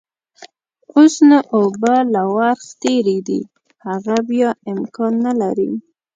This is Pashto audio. اوس نو اوبه له ورخ تېرې دي، هغه بيا امکان نلري.